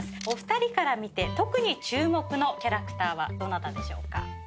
お二人から見て特に注目のキャラクターはどなたでしょうか？